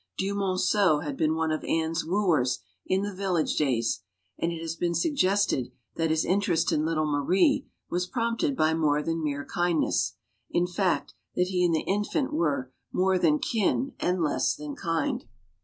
Dumonceau had been one of Anne's wooers in the village days, and it has been suggested that his interest in little Marie was prompted by more than mere kindness in fact, that he and the infant were "more than kin and less than kind."